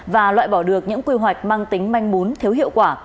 và loại bỏ được những quy hoạch mang tính manh mún thiếu hiệu quả